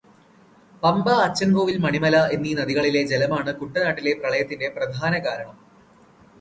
പമ്പ, അച്ചന്കോവില്, മണിമല എന്നീ നദികളിലെ ജലമാണ് കുട്ടനാട്ടിലെ പ്രളയത്തിന്റെ പ്രധാന കാരണം.